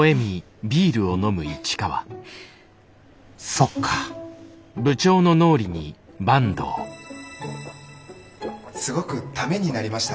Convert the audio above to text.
そっかすごくためになりました。